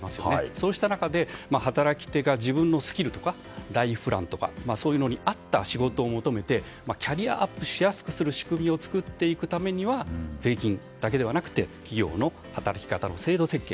そうした中で働き手が自分のスキルとかライフプランとかそういうものに合った仕事を求めてキャリアアップしやすくする仕組みを作っていくためには税金だけではなくて企業の働き方の制度設計